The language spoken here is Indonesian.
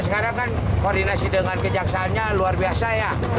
sekarang kan koordinasi dengan kejaksaannya luar biasa ya